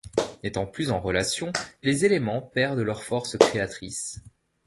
N’étant plus en relation, les éléments perdent leurs forces créatrices.